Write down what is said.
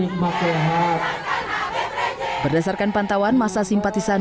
mulai berjalan jalan dengan berat berat dan berjalan jalan dengan berat berat dan berjalan jalan